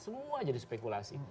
semua jadi spekulasi